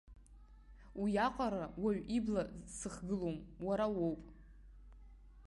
Уиаҟара уаҩ ибла сыхгылом, уара уоуп.